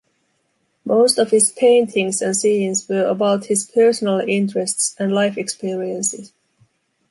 Most of his paintings and scenes were about his personal interests and life experiences.